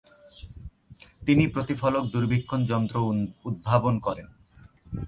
তিনি প্রতিফলক দূরবীক্ষণ যন্ত্র উদ্ভাবন করেন।